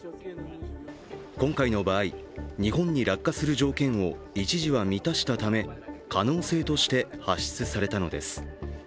今回の場合、日本に落下する条件を一時は満たしたため可能性として発出されたのです。